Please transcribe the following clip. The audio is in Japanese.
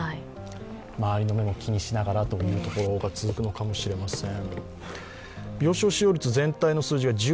周りの目も気にしながらというところが続くのかもしれません。